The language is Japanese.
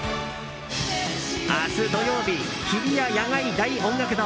明日土曜日、日比谷野外大音楽堂